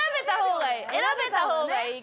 選べた方がいい。